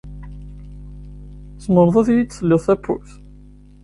Tezemreḍ ad iyi-d telliḍ tappurt?